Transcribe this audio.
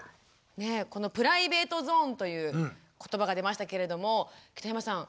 この「プライベートゾーン」という言葉が出ましたけれども北山さん